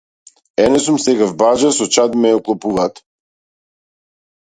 Ене сум сега в баџа со чад ме оклопуваат.